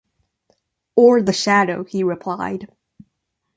“Or the shadow,” he replied.